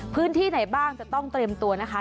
พื้นที่ไหนบ้างจะต้องเตรียมตัวนะคะ